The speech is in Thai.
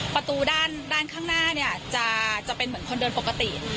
ประตูด้านข้างหน้าเนี่ยจะเป็นเหมือนคนเดินปกติ